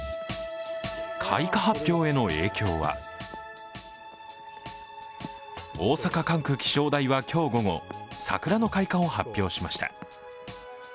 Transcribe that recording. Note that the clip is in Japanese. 開花発表への影響は大阪管区気象台は今日午後、桜の開花を発表しました。